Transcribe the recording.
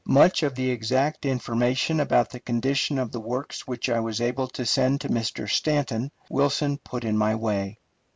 Much of the exact information about the condition of the works which I was able to send to Mr. Stanton Wilson put in my way.